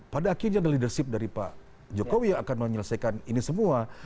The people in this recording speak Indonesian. pada akhirnya ada leadership dari pak jokowi yang akan menyelesaikan ini semua